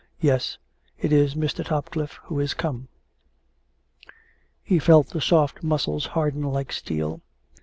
" Yes ; it is Mr. Topcliffe who is come." He felt the soft muscles harden like steel.